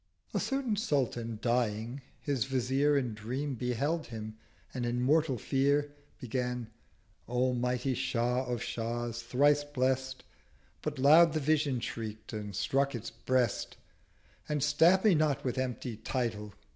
A certain Sultan dying, his Vizier In Dream beheld him, and in mortal Fear Began—'O mighty Shah of Shahs! Thrice blest'— But loud the Vision shriek'd and struck its Breast, And 'Stab me not with empty Title!'